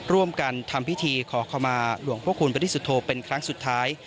ร่วมกันทำพิธีขอขมาหลวงพระคุณบริสุทธโธเป็นครั้งสุดท้าย